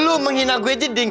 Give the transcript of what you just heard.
lo menghina gue jadi